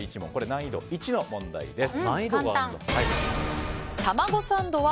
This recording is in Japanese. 難易度１の問題です。